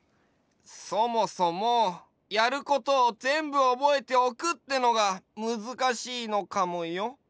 そもそもやることをぜんぶおぼえておくってのがむずかしいのかもよ。